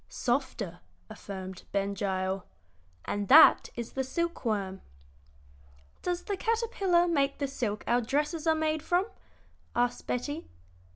"Softer," affirmed Ben Gile; "and that is the silk worm." "Does the caterpillar make the silk our dresses are made from?" asked Betty.